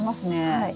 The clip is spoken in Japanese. はい。